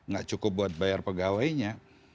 gak cukup buat bayar pegawainya